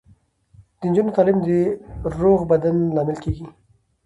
د نجونو تعلیم د روغ بدن لامل کیږي.